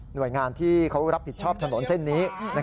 โดยงานที่เขารับผิดชอบถนนเส้นนี้